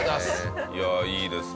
いやあいいですね。